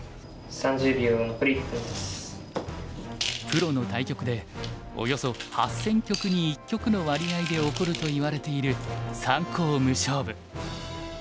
プロの対局でおよそ８，０００局に１局の割合で起こるといわれている三コウ無勝負。